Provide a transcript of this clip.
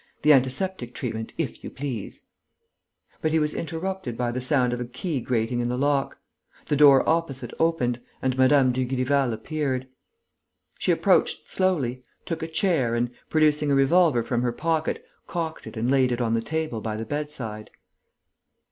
The antiseptic treatment, if you please!" But he was interrupted by the sound of a key grating in the lock. The door opposite opened and Mme. Dugrival appeared. She approached slowly, took a chair and, producing a revolver from her pocket, cocked it and laid it on the table by the bedside.